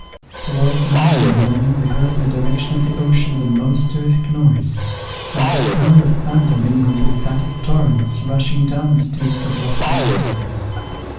Towards nine in the morning we heard in the direction of the ocean the most terrific noise, like the sound of thunder mingled with that of torrents rushing down the steeps of lofty mountains.